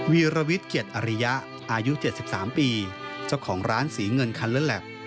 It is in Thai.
วีรวิทย์เกียรติอริยะอายุ๗๓ปีเจ้าของร้านสีเงินคันเลอร์แล็บ